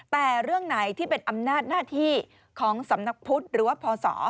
แต่เรื่องไหนที่เป็นอำนาจหน้าที่ของสำนักพุทธหรือว่าพศ